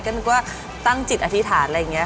ก็นึกว่าตั้งจิตอธิษฐานอะไรอย่างนี้